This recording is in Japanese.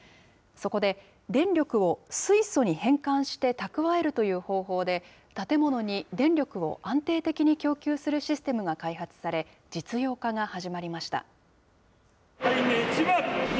そこで、電力を水素に変換して蓄えるという方法で、建物に電力を安定的に供給するシステムが開発され、実用化が始まりました。